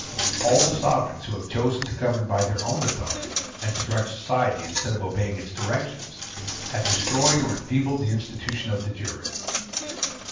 All the sovereigns who have chosen to govern by their own authority, and to direct society instead of obeying its directions, have destroyed or enfeebled the institution of the jury.